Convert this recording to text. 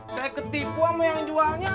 saya ketipu sama yang jualnya